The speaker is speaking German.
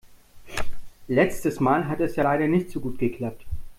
Letztes Mal hat es ja leider nicht so gut geklappt.